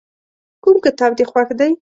کوم کتاب دې خوښ دی؟